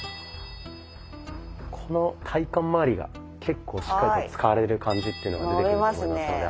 この体幹まわりが結構しっかりと使われる感じっていうのが出てくると思いますので。